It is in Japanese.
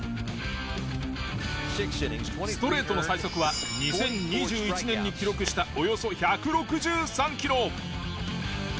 ストレートの最速は２０２１年に記録したおよそ１６３キロ。